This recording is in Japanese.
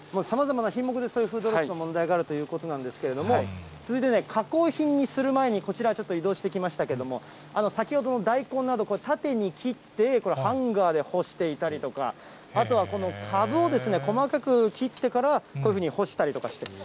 さまざまな品目でそういうフードロスの問題があるということなんですけれども、続いて加工品にする前に、こちら、ちょっと移動してきましたけれども、先ほどの大根など、縦に切ってハンガーで干していたりとか、あとはこのかぶを細かく切ってからこういうふうに干したりとかして。